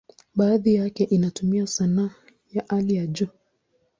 Baadhi yake inatumia sanaa ya hali ya juu.